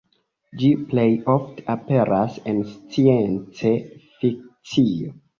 Ĝi plej ofte aperas en scienc-fikcio.